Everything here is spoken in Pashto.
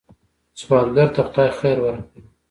سوالګر ته خدای خیر ورکړي